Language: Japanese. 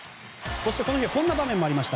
そしてこの日、こんな場面もありました。